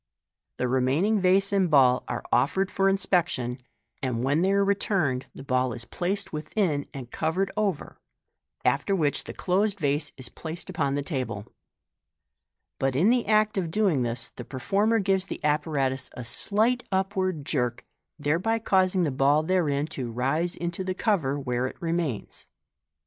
The remaining vase and ball are offered for inspection, and when they are returned, tha ball is placed within and covered over, after which the closed vase is placed upon the table j but in the act of doing this the performer gives the apparatus a slight up ward jerk, thereby causing the ball therein to rise into the cover, where it remains.